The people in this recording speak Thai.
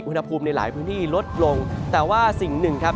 ในหลายพื้นที่ลดลงแต่ว่าสิ่งหนึ่งครับ